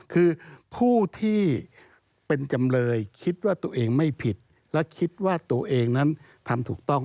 คือผู้ที่เป็นจำเลยคิดว่าตัวเองไม่ผิดและคิดว่าตัวเองนั้นทำถูกต้อง